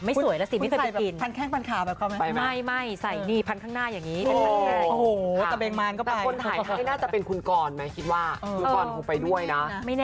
ไม่สวยละสิไม่เคยไปกินคุณใส่พันแค่งพันขา